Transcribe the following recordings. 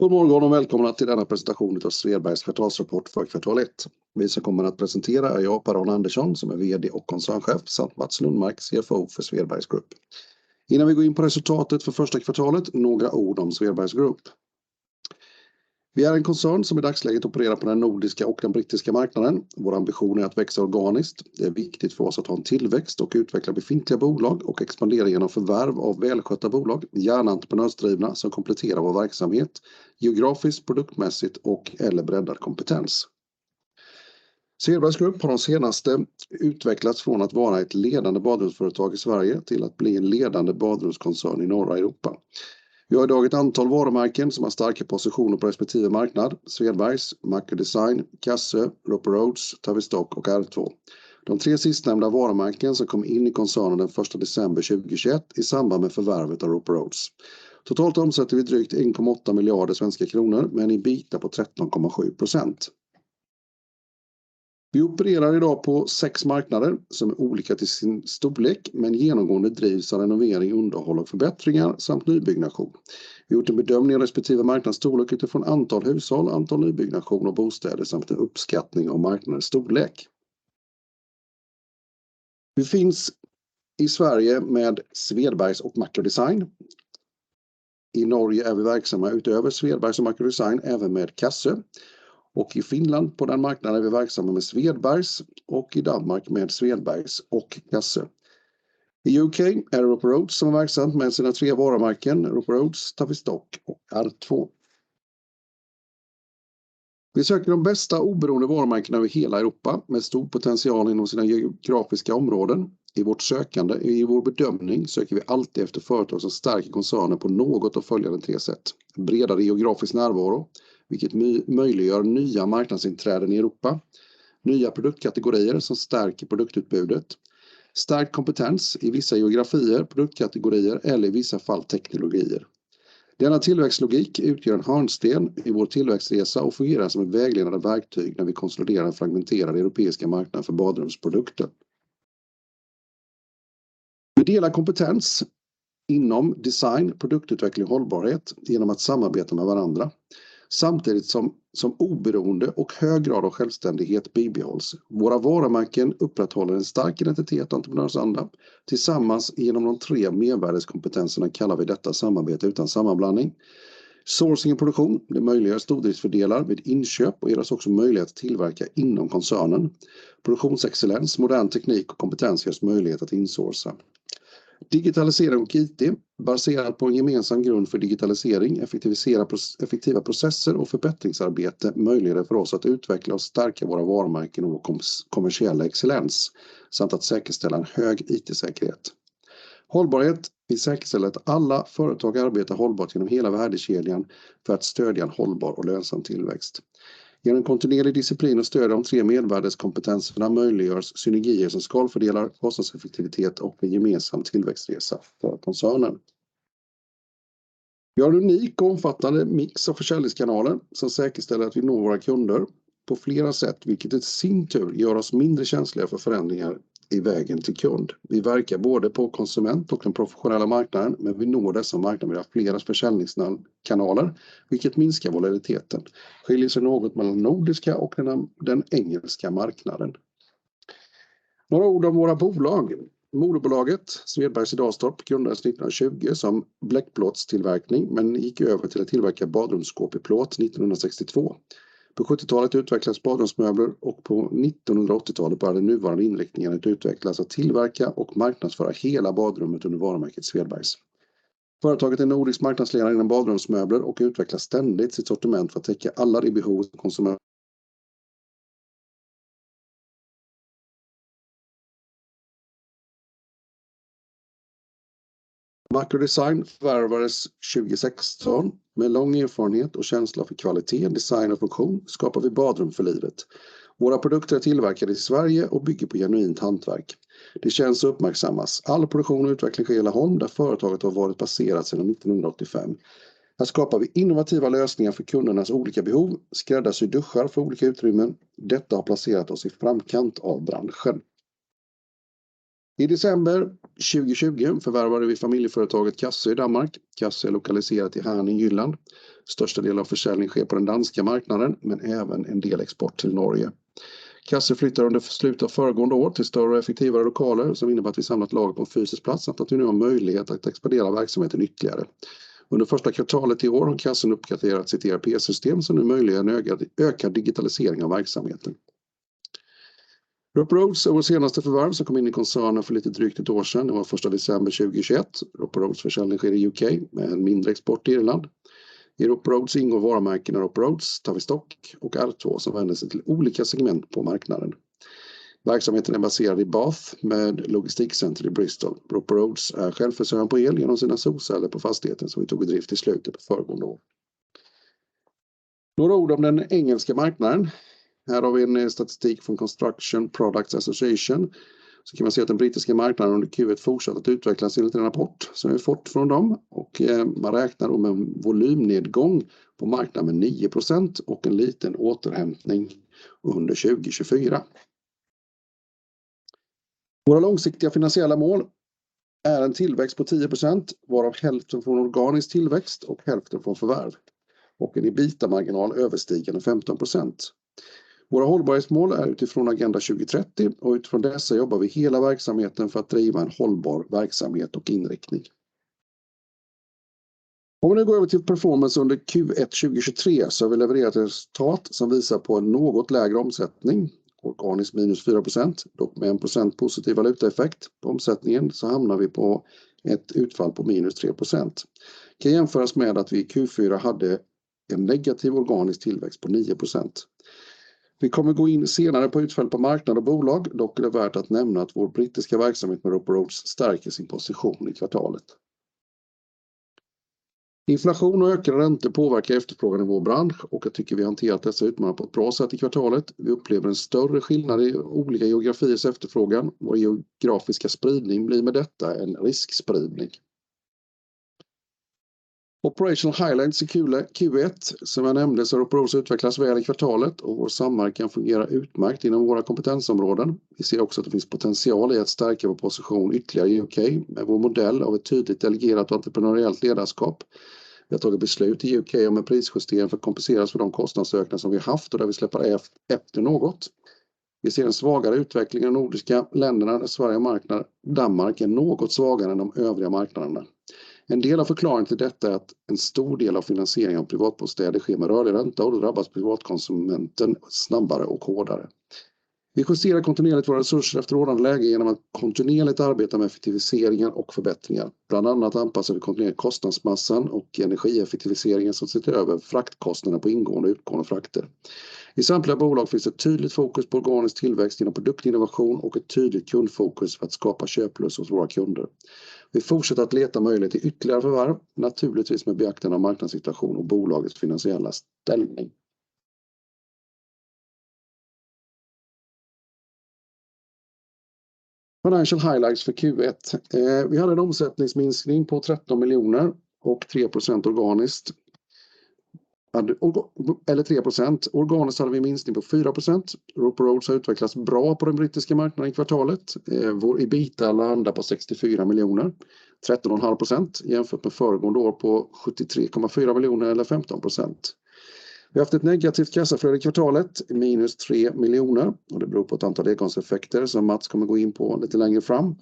God morgon och välkomna till denna presentation utav Svedbergs kvartalsrapport för Q1. Vi som kommer att presentera är jag Per-Arne Andersson, som är VD och koncerntchef samt Mats Lundmark, CFO för Svedbergs Group. Innan vi går in på resultatet för första kvartalet, några ord om Svedbergs Group. Vi är en koncern som i dagsläget opererar på den nordiska och den brittiska marknaden. Vår ambition är att växa organiskt. Det är viktigt för oss att ha en tillväxt och utveckla befintliga bolag och expandera genom förvärv av välskötta bolag, gärna entreprenörsdrivna, som kompletterar vår verksamhet, geografiskt, produktmässigt och/eller breddad kompetens. Svedbergs Group har de senaste utvecklats från att vara ett ledande badrumsföretag i Sverige till att bli en ledande badrumskoncern i norra Europa. Vi har i dag ett antal varumärken som har starka positioner på respektive marknad: Svedbergs, Macro Design, Cassøe, Roper Rhodes, Tavistock och R2. De 3 sistnämnda varumärken som kom in i koncernen den 1st December 2021 i samband med förvärvet av Roper Rhodes. Totalt omsätter vi drygt SEK 1.8 billion med en EBITA på 13.7%. Vi opererar i dag på 6 marknader som är olika till sin storlek, men genomgående drivs av renovering, underhåll och förbättringar samt nybyggnation. Vi har gjort en bedömning av respektive marknads storlek utifrån antal hushåll, antal nybyggnation och bostäder samt en uppskattning av marknadens storlek. Vi finns i Sverige med Svedbergs och Macro Design. I Norge är vi verksamma utöver Svedbergs och Macro Design även med Cassøe och i Finland på den marknaden är vi verksamma med Svedbergs och i Danmark med Svedbergs och Cassøe. I UK är det Roper Rhodes som är verksamt med sina 3 varumärken, Roper Rhodes, Tavistock och R2. Vi söker de bästa oberoende varumärkena över hela Europa med stor potential inom sina geografiska områden. I vårt sökande, i vår bedömning söker vi alltid efter företag som stärker koncernen på något av följande tre sätt. Bredare geografisk närvaro, vilket möjliggör nya marknadsinträden i Europa, nya produktkategorier som stärker produktutbudet, stärkt kompetens i vissa geografier, produktkategorier eller i vissa fall teknologier. Denna tillväxtlogik utgör en hörnsten i vår tillväxtresa och fungerar som ett vägledande verktyg när vi konsoliderar en fragmenterad europeiska marknad för badrumsprodukter. Vi delar kompetens inom design, produktutveckling, hållbarhet genom att samarbeta med varandra. Samtidigt som oberoende och hög grad av självständighet bibehålls. Våra varumärken upprätthåller en stark identitet och entreprenörsanda. Tillsammans igenom de tre mervärdeskompetenserna kallar vi detta samarbete utan sammanblandning. Sourcing och produktion. Det möjliggör stordriftsfördelar vid inköp och ger oss också möjlighet att tillverka inom koncernen. Produktionsexcellens, modern teknik och kompetens ger oss möjlighet att insourca. Digitalisering och IT, baserat på en gemensam grund för digitalisering, effektiva processer och förbättringsarbete möjliggör det för oss att utveckla och stärka våra varumärken och kommersiella excellens samt att säkerställa en hög IT-säkerhet. Hållbarhet. Vi säkerställer att alla företag arbetar hållbart genom hela värdekedjan för att stödja en hållbar och lönsam tillväxt. Genom kontinuerlig disciplin och stöd av de tre mervärdeskompetenserna möjliggör synergier som skalfördelar, kostnadseffektivitet och en gemensam tillväxtresa för koncernen. Vi har en unik och omfattande mix av försäljningskanaler som säkerställer att vi når våra kunder på flera sätt, vilket i sin tur gör oss mindre känsliga för förändringar i vägen till kund. Vi verkar både på konsument- och den professionella marknaden, vi når dessa marknader via flera försäljningskanaler, vilket minskar volatiliteten. Skiljer sig något mellan nordiska och den engelska marknaden. Några ord om våra bolag. Moderbolaget, Svedbergs i Dalstorp, grundades 1920 som bläckplåtstillverkning, men gick över till att tillverka badrumsskåp i plåt 1962. På 70-talet utvecklades badrumsmöbler och på 1980-talet började nuvarande inriktningen att utvecklas, att tillverka och marknadsföra hela badrummet under varumärket Svedbergs. Företaget är en nordisk marknadsledare inom badrumsmöbler och utvecklar ständigt sitt sortiment för att täcka alla de behov. Macro Design förvärvades 2016. Med lång erfarenhet och känsla för kvalitet, design och funktion skapar vi badrum för livet. Våra produkter är tillverkade i Sverige och bygger på genuint hantverk. Det känns och uppmärksammas. All produktion och utveckling sker i Laholm, där företaget har varit baserat sedan 1985. Här skapar vi innovativa lösningar för kundernas olika behov, skräddarsyr duschar för olika utrymmen. Detta har placerat oss i framkant av branschen. I december 2020 förvärvade vi familjeföretaget Cassøe i Danmark. Cassøe är lokaliserat i Herning, Jylland. Största delen av försäljning sker på den danska marknaden, men även en del export till Norge. Cassøe flyttade under slutet av föregående år till större och effektivare lokaler som innebär att vi samlat lagret på en fysisk plats samt att vi nu har möjlighet att expandera verksamheten ytterligare. Under första kvartalet i år har Cassøe uppgraderat sitt ERP-system som nu möjliggör en ökad digitalisering av verksamheten. Roper Rhodes är vårt senaste förvärv som kom in i koncernen för lite drygt 1 år sedan. Det var first December 2021. Roper Rhodes försäljning sker i U.K. med en mindre export till Ireland. I Roper Rhodes ingår varumärkena Roper Rhodes, Tavistock och R2 som vänder sig till olika segment på marknaden. Verksamheten är baserad i Bath med logistikcenter i Bristol. Roper Rhodes är självförsörjande på el genom sina solceller på fastigheten som vi tog i drift i slutet på föregående år. Några ord om den engelska marknaden. Här har vi en statistik från Construction Products Association. Kan man se att den brittiska marknaden under Q1 fortsatte att utvecklas enligt en rapport som vi har fått från dem. Man räknar då med en volymnedgång på marknaden 9% och en liten återhämtning under 2024. Våra långsiktiga finansiella mål är en tillväxt på 10%, varav hälften från organisk tillväxt och hälften från förvärv och en EBITDA-marginal överstigande 15%. Våra hållbarhetsmål är utifrån Agenda 2030 och utifrån dessa jobbar vi hela verksamheten för att driva en hållbar verksamhet och inriktning. Vi nu går över till performance under Q1 2023 så har vi levererat ett resultat som visar på en något lägre omsättning, organiskt minus 4%. Dock med 1% positiv valutaeffekt på omsättningen så hamnar vi på ett utfall på minus 3%. Kan jämföras med att vi i Q4 hade en negativ organisk tillväxt på 9%. Vi kommer gå in senare på utfall på marknad och bolag. Det är värt att nämna att vår brittiska verksamhet med Roper Rhodes stärker sin position i kvartalet. Inflation och ökade räntor påverkar efterfrågan i vår bransch och jag tycker vi hanterat dessa utmaningar på ett bra sätt i kvartalet. Vi upplever en större skillnad i olika geografiers efterfrågan. Vår geografiska spridning blir med detta en riskspridning. Operational Highlights i Q1. Som jag nämnde så har Roper Rhodes utvecklats väl i kvartalet och vår samverkan fungerar utmärkt inom våra kompetensområden. Vi ser också att det finns potential i att stärka vår position ytterligare i U.K. med vår modell av ett tydligt delegerat och entreprenöriellt ledarskap. Vi har tagit beslut i U.K. om en prisjustering för att kompenseras för de kostnadsökningar som vi haft och där vi släpar efter något. Vi ser en svagare utveckling i de nordiska länderna där Sverige och Danmark är något svagare än de övriga marknaderna. En del av förklaringen till detta är att en stor del av finansiering av privatbostäder sker med rörlig ränta och då drabbas privatkonsumenten snabbare och hårdare. Vi justerar kontinuerligt våra resurser efter ordnande läge igenom att kontinuerligt arbeta med effektiviseringar och förbättringar. Bland annat anpassar vi kontinuerligt kostnadsmassan och energieffektiviseringar som ser över fraktkostnaderna på ingående och utgående frakter. I samtliga bolag finns ett tydligt fokus på organisk tillväxt igenom produktinnovation och ett tydligt kundfokus för att skapa köplust hos våra kunder. Vi fortsätter att leta möjlighet till ytterligare förvärv, naturligtvis med beaktande av marknadssituation och bolagets finansiella ställning. Financial highlights för Q1. Vi hade en omsättningsminskning på SEK 13 million och 3% organiskt. Eller 3%. Organiskt hade vi en minskning på 4%. Roper Rhodes har utvecklats bra på den brittiska marknaden i kvartalet. Vår EBITDA landar på SEK 64 million, 13.5% jämfört med föregående år på SEK 73.4 million eller 15%. Vi har haft ett negativt kassaflöde i kvartalet, minus SEK 3 million och det beror på ett antal engångseffekter som Mats kommer gå in på lite längre fram.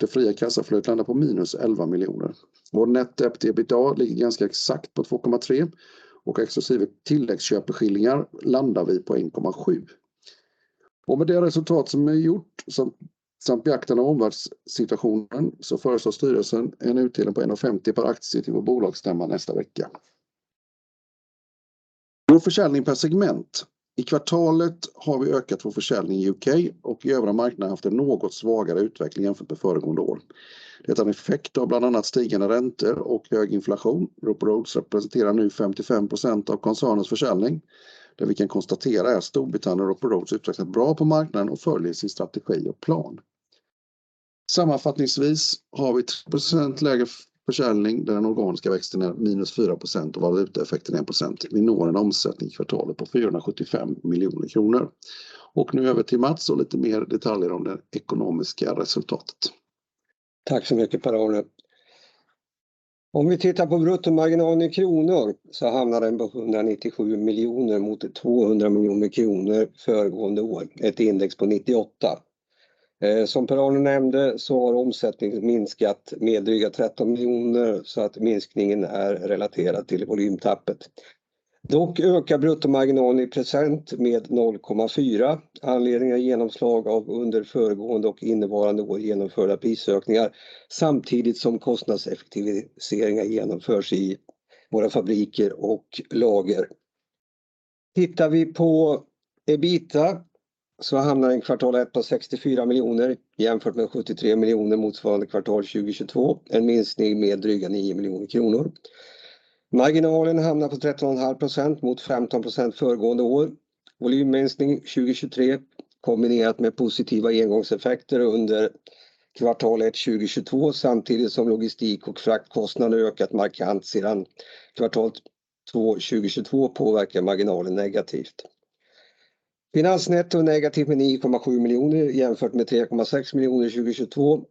Det fria kassaflödet landar på minus SEK 11 million. Vår netto-EBITDA ligger ganska exakt på SEK 2.3 och exklusive tilläggsköpeskillingar landar vi på SEK 1.7. Med det resultat som är gjort samt beaktande omvärldssituationen så föreslår styrelsen en utdelning på SEK 1.50 per aktie till vår bolagsstämma nästa vecka. Vår försäljning per segment. I kvartalet har vi ökat vår försäljning i UK och i övriga marknader haft en något svagare utveckling jämfört med föregående år. Det är en effekt av bland annat stigande räntor och hög inflation. Roper Rhodes representerar nu 55% av koncernens försäljning. Där vi kan konstatera är Storbritannien och Roper Rhodes utvecklas bra på marknaden och följer sin strategi och plan. Sammanfattningsvis har vi 1% lägre försäljning där den organiska växten är -4% och valutaeffekten 1%. Vi når en omsättning i kvartalet på SEK 475 million. Nu över till Mats och lite mer detaljer om det ekonomiska resultatet. Tack så mycket Per-Arne. Om vi tittar på bruttomarginalen i kronor så hamnar den på SEK 197 million mot SEK 200 million föregående år. Ett index på 98. Som Per-Arne nämnde så har omsättningen minskat med dryga SEK 13 million så att minskningen är relaterad till volymtappet. Dock ökar bruttomarginalen i procent med 0.4%. Anledningen är genomslag av under föregående och innevarande år genomförda prisökningar samtidigt som kostnadseffektiviseringar genomförs i våra fabriker och lager. Tittar vi på EBITDA så hamnar den Q1 på SEK 64 million jämfört med SEK 73 million motsvarande Q1 2022. En minskning med dryga SEK 9 million. Marginalen hamnar på 13.5% mot 15% föregående år. Volymminskning 2023 kombinerat med positiva engångseffekter under Q1 2022 samtidigt som logistik- och fraktkostnader ökat markant sedan Q2 2022 påverkar marginalen negativt. Finansnetto negativ med SEK 9.7 million jämfört med SEK 3.6 million 2022.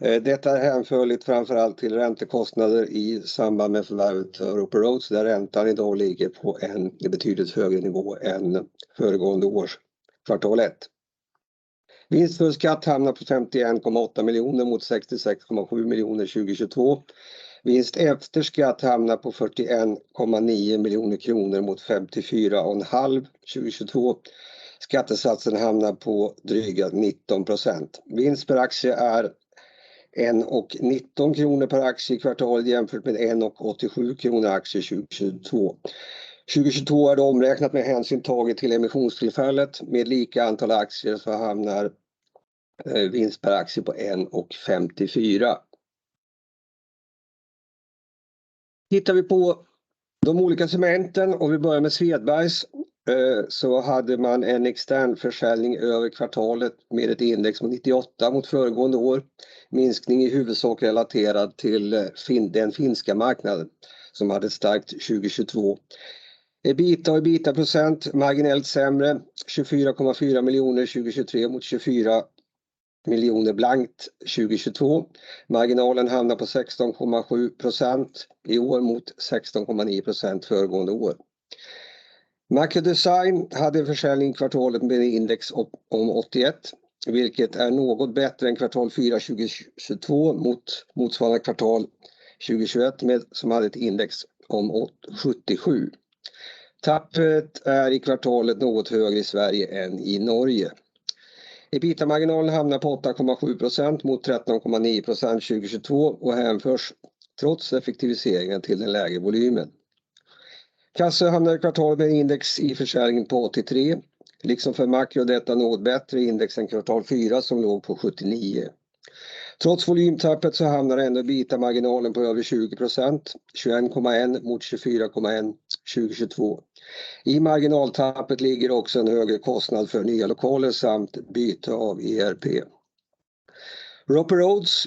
Detta är hänförligt framför allt till räntekostnader i samband med förvärvet av Roper Rhodes, där räntan i dag ligger på en betydligt högre nivå än föregående års Q1. Vinst före skatt hamnar på SEK 51.8 million mot SEK 66.7 million 2022. Vinst efter skatt hamnar på SEK 41.9 million mot SEK 54 och en halv 2022. Skattesatsen hamnar på dryga 19%. Vinst per aktie är SEK 1.19 per aktie i kvartalet jämfört med SEK 1.87 aktie 2022. 2022 är då omräknat med hänsyn taget till emissionstillfället. Med lika antal aktier så hamnar vinst per aktie på SEK 1.54. Tittar vi på de olika segmenten, vi börjar med Svedbergs, så hade man en extern försäljning över kvartalet med ett index på 98 mot föregående år. Minskning i huvudsak relaterad till den finska marknaden som hade ett starkt 2022. EBITA och EBITDA-procent marginellt sämre SEK 24.4 million 2023 mot SEK 24 million blankt 2022. Marginalen hamnar på 16.7% i år mot 16.9% föregående år. Macro Design hade en försäljning kvartalet med index om 81, vilket är något bättre än Q4 2022 mot motsvarande kvartal 2021 som hade ett index om 77. Tappet är i kvartalet något högre i Sverige än i Norge. EBITDA-marginalen hamnar på 8.7% mot 13.9% 2022 och hänförs trots effektiviseringen till den lägre volymen. Cassøe hamnar i kvartalet med index i försäljningen på 83. Liksom för Maco är detta något bättre index än Q4 som låg på 79. Trots volymtappet så hamnar ändå EBITDA margin på över 20%, 21.1 mot 24.1 2022. I marginaltappet ligger också en högre kostnad för nya lokaler samt byte av ERP. Roper Rhodes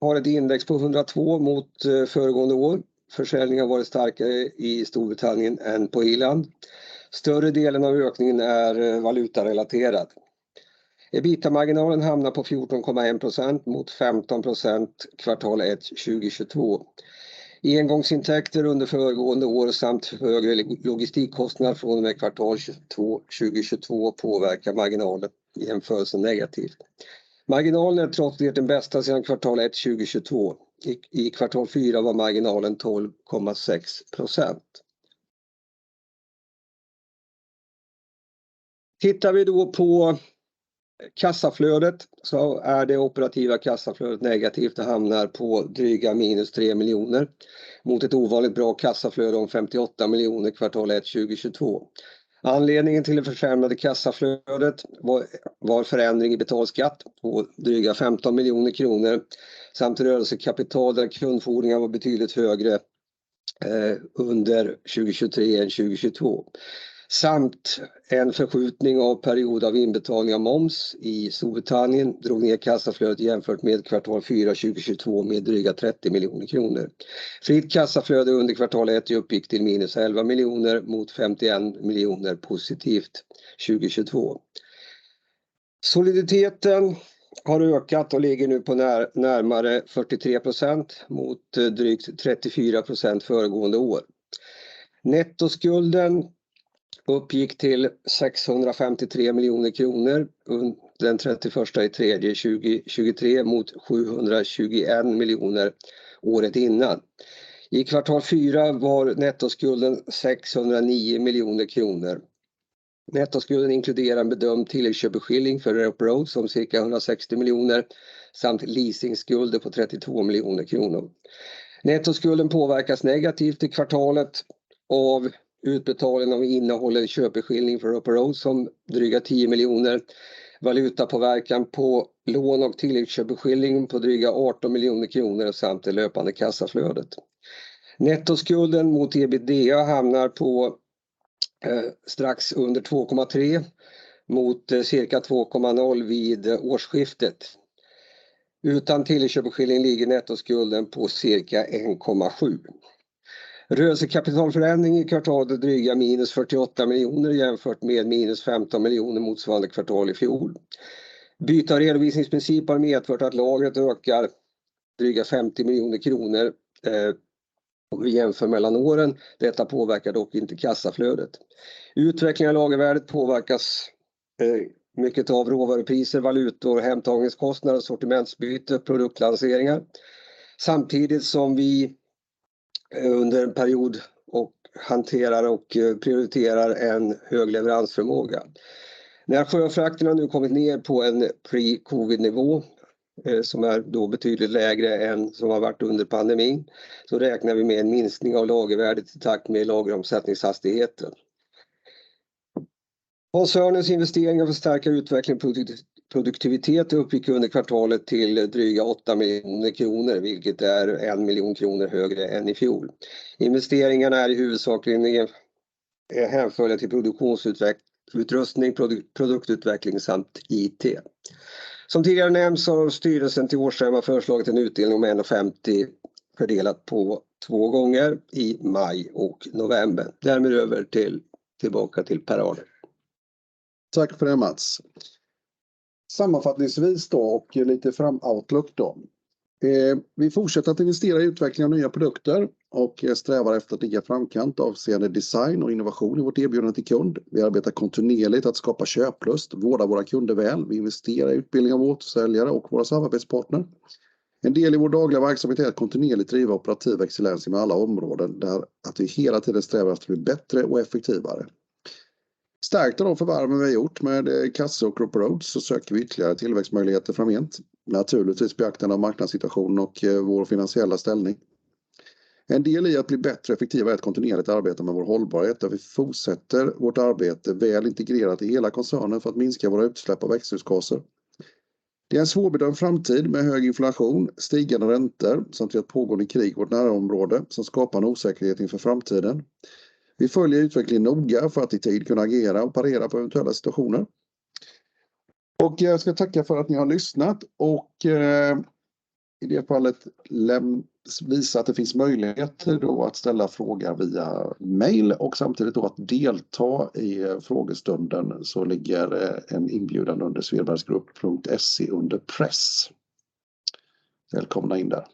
har ett index på 102 mot föregående år. Försäljningen har varit starkare i the U.K. än på Ireland. Större delen av ökningen är currency related. EBITDA margin hamnar på 14.1% mot 15% Q1 2022. Engångsintäkter under föregående år samt högre logistikkostnad från och med Q2 2022 påverkar marginalen i jämförelse negativt. Marginalen är trots det den bästa sedan Q1 2022. I Q4 var marginalen 12.6%. Tittar vi då på kassaflödet så är det operativa kassaflödet negativt och hamnar på dryga minus SEK 3 million mot ett ovanligt bra kassaflöde om SEK 58 million Q1 2022. Anledningen till det försämrade kassaflödet var förändring i betalskatt på dryga SEK 15 million samt rörelsekapital där kundfordringar var betydligt högre under 2023 än 2022. En förskjutning av period av inbetalning av moms i U.K. drog ner kassaflödet jämfört med Q4 2022 med dryga SEK 30 million. Fritt kassaflöde under Q1 i uppgift till minus SEK 11 million mot SEK 51 million positivt 2022. Soliditeten har ökat och ligger nu på närmare 43% mot drygt 34% föregående år. Nettoskulden uppgick till SEK 653 million under the 31st of March 2023 mot SEK 721 million året innan. I Q4 var nettoskulden SEK 609 million. Nettoskulden inkluderar bedömd tilläggsköpeskilling för Roper Rhodes om cirka 160 miljoner samt leasingskulder på 32 miljoner SEK. Nettoskulden påverkas negativt i kvartalet av utbetalningen av innehållet i köpeskilling för Roper Rhodes om dryga 10 miljoner valutapåverkan på lån och tilläggsköpeskilling på dryga 18 miljoner SEK samt det löpande kassaflödet. Nettoskulden mot EBITDA hamnar på strax under 2.3 mot cirka 2.0 vid årsskiftet. Utan tilläggsköpeskilling ligger nettoskulden på cirka 1.7. Rörelsekapitalförändring i kvartalet dryga minus 48 miljoner SEK jämfört med minus 15 miljoner SEK motsvarande kvartal i fjol. Byte av redovisningsprincip har medfört att lagret ökar dryga 50 miljoner SEK. Vi jämför mellan åren. Detta påverkar dock inte kassaflödet. Utvecklingen av lagervärdet påverkas mycket av råvarupriser, valutor, hämtagningskostnader, sortimentsbyte, produktlanseringar. Samtidigt som vi under en period och hanterar och prioriterar en hög leveransförmåga. När sjöfrakterna nu kommit ner på en pre-COVID-nivå, som är då betydligt lägre än som har varit under pandemin, så räknar vi med en minskning av lagervärdet i takt med lageromsättningshastigheten. Koncernens investering för att stärka utveckling produktivitet uppgick under kvartalet till dryga SEK 8 million, vilket är SEK 1 million högre än i fjol. Investeringarna är i huvudsakligheten hänförda till produktionsutrustning, produktutveckling samt IT. Som tidigare nämnts har styrelsen till årsstämman föreslagit en utdelning om SEK 1.50 fördelat på two gånger i maj och november. Tillbaka till Per-Arne. Tack för det, Mats. Sammanfattningsvis då och lite fram outlook då. Vi fortsätter att investera i utveckling av nya produkter och strävar efter att ligga i framkant avseende design och innovation i vårt erbjudande till kund. Vi arbetar kontinuerligt att skapa köplust, vårda våra kunder väl. Vi investerar i utbildning av återförsäljare och våra samarbetspartner. En del i vår dagliga verksamhet är att kontinuerligt driva operativ excellens i alla områden, där att vi hela tiden strävar efter att bli bättre och effektivare. Stärkta de förvärven vi har gjort med Cassøe och Roper Rhodes så söker vi ytterligare tillväxtmöjligheter framgent. Naturligtvis i beaktande av marknadssituationen och vår finansiella ställning. En del i att bli bättre och effektivare är att kontinuerligt arbeta med vår hållbarhet där vi fortsätter vårt arbete väl integrerat i hela koncernen för att minska våra utsläpp av växthusgaser. Det är en svårbedömd framtid med hög inflation, stigande räntor samt ett pågående krig i vårt närområde som skapar en osäkerhet inför framtiden. Vi följer utvecklingen noga för att i tid kunna agera och parera på eventuella situationer. Jag ska tacka för att ni har lyssnat och i det fallet Visa att det finns möjligheter då att ställa frågor via mejl och samtidigt då att delta i frågestunden så ligger en inbjudan under svedbergsgroup.se under Press. Välkomna in där.